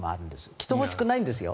来てほしくないんですよ。